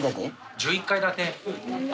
１１階建て。